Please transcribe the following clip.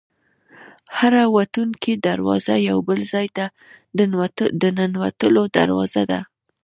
هره وتونکې دروازه یو بل ځای ته د ننوتلو دروازه ده.